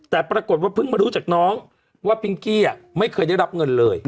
แต่ปรากฏว่าเพิ่งมารู้จากน้องว่าพิงกี้ไม่เคยได้รับเงินเลย